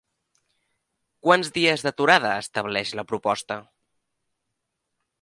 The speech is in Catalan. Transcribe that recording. Quants dies d'aturada estableix la proposta?